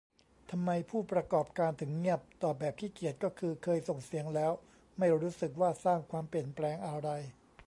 ทำไม "ผู้ประกอบการ" ถึงเงียบ ตอบแบบขี้เกียจก็คือ เคยส่งเสียงแล้วไม่รู้สึกว่าสร้างความเปลี่ยนแปลงอะไร